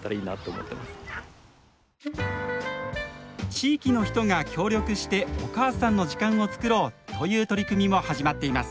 地域の人が協力してお母さんの時間をつくろうという取り組みも始まっています。